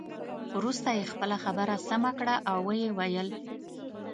وروسته یې خپله خبره سمه کړه او ويې ویل.